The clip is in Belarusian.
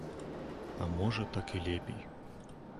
А можа, так і лепей.